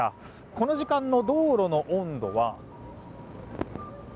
この時間の道路の温度は。